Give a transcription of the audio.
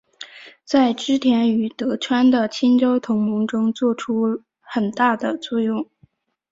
在织田与德川的清洲同盟中作出很大的作用。